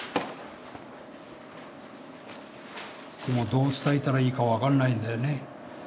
でもどう伝えたらいいか分かんないんだよね。